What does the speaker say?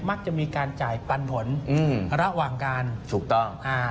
มักจะมีการจ่ายปันผลระหว่างการถูกต้อง